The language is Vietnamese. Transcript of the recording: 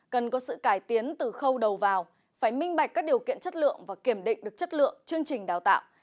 cần có sự cải tiến từ khâu đầu vào phải minh bạch các điều kiện chất lượng và kiểm định được chất lượng chương trình đào tạo